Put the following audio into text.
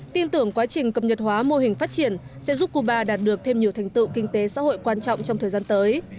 tin tưởng quá trình cập nhật hóa mô hình phát triển sẽ giúp cuba đạt được thêm nhiều thành tựu kinh tế xã hội quan trọng trong thời gian tới